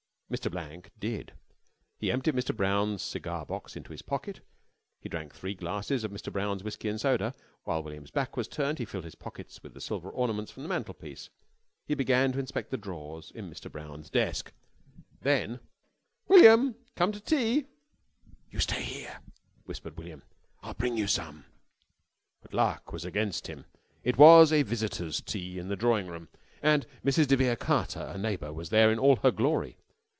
Mr. Blank did. He emptied Mr. Brown's cigar box into his pocket. He drank three glasses of Mr. Brown's whiskey and soda. While William's back was turned he filled his pockets with the silver ornaments from the mantel piece. He began to inspect the drawers in Mr. Brown's desk. Then: [Illustration: MR. BLANK MADE HIMSELF QUITE AT HOME] "William! Come to tea!" "You stay here," whispered William. "I'll bring you some." But luck was against him. It was a visitors' tea in the drawing room, and Mrs. de Vere Carter, a neighbour, there, in all her glory.